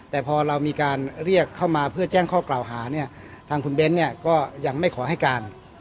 แต่พอเรามีการเรียกเข้ามาเพื่อแจ้งข้อกล่าวหาเนี่ยทางคุณเบ้นเนี่ยก็ยังไม่ขอให้การ